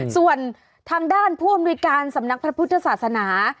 ส่วนทางด้านผู้อำนวยการสำนักพระพุทธศาสนา